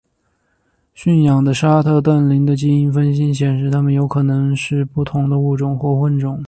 驯养的沙特瞪羚的基因分析显示它们有可能是不同的物种或混种。